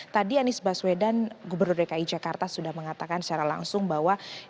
tadi anies baswedan gubernur dki jakarta sudah mengatakan secara langsung bahwa